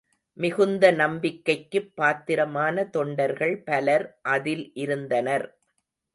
மிகுந்த நம்பிக்கைக்குப் பாத்திரமான தொண்டர்கள் பலர் அதில் இருந்தனர்.